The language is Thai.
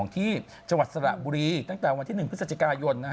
ที่จังหวัดสระบุรีตั้งแต่วันที่๑พฤศจิกายน